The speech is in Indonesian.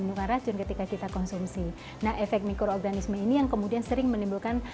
bukan racun ketika kita konsumsi nah efek mikroorganisme ini yang kemudian sering menimbulkan